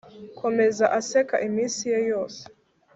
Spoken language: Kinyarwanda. komeza aseke iminsi ye yose